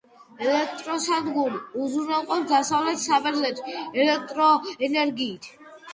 ელექტროსადგური უზრუნველყოფს დასავლეთ საბერძნეთს ელექტროენერგიით.